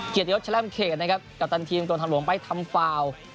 เกียรติฤทธิ์แชลมเขตนะครับกับทางทีมกรมทางหลวงไปทำฟาล